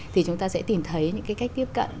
thì chúng ta sẽ tìm thấy những cái cách tiếp cận